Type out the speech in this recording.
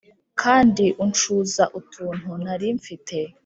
kandi uncuza utuntu nari mfite